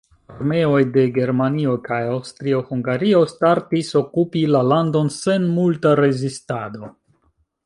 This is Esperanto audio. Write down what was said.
Armeoj de Germanio kaj Aŭstrio-Hungario startis okupi la landon sen multa rezistado.